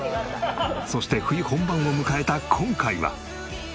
そして冬本番を迎えた今回は。